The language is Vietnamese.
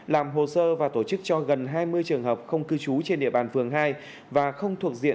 làm hồ sơ và tổ chức cho gần hai mươi trường hợp không cư trú trên địa bàn phường hai và không thuộc diện